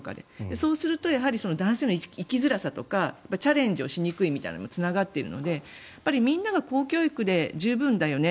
そうすると男性の生きづらさとかチャレンジをしにくいみたいなことにもつながっているのでみんなが公教育で十分だよね